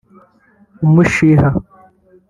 umushiha